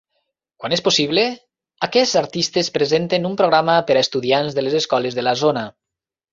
Quan és possible, aquests artistes presenten un programa per a estudiants de les escoles de la zona.